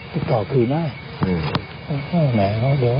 แม่นภาคเอาปืนมา